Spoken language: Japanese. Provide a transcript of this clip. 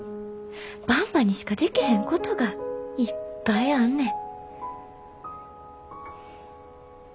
ばんばにしかでけへんことがいっぱいあんねん。